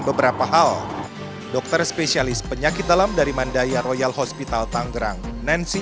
beberapa hal dokter spesialis penyakit dalam dari mandaya royal hospital tanggerang nancy